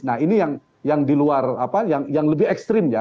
nah ini yang di luar apa yang lebih ekstrim ya